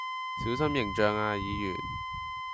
小心形象呀議員